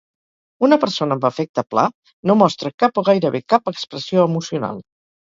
Una persona amb afecte pla no mostra cap o gairebé cap expressió emocional.